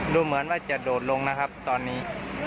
ดูเหมือนว่าจะโดดลงนะครับตอนนี้